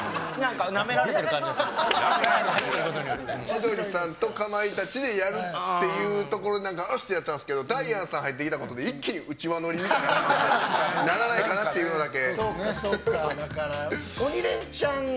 千鳥さんとかまいたちでやるっていうことでよしってなってたんですけどダイアンさんが入ってきたことで一気に内輪ノリみたいなのにならないかなってことだけ。